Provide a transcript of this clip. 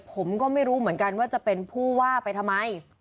ผมก็ไม่รู้เหมือนกันว่าจะเป็นผู้ว่าไปทำไม